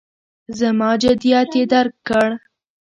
زما جدیت یې درک کړ.